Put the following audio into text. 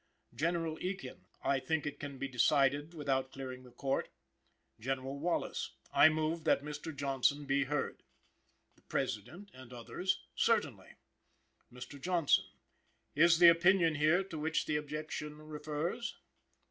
"General Ekin. I think it can be decided without clearing the Court. "General Wallace. I move that Mr. Johnson be heard. "The President and others. Certainly. "Mr. Johnson. Is the opinion here to which the objection refers?